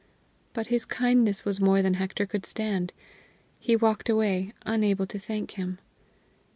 But his kindness was more than Hector could stand; he walked away, unable to thank him.